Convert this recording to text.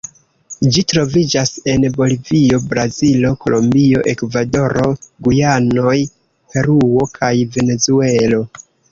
Ĝi troviĝas en Bolivio, Brazilo, Kolombio, Ekvadoro, Gujanoj, Peruo kaj Venezuelo.